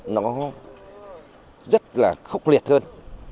nó rất là khốc liệt hơn